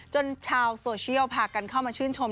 ชาวโซเชียลพากันเข้ามาชื่นชม